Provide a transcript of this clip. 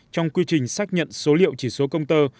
trong quy trình xác nhận số liệu chỉ số công tơ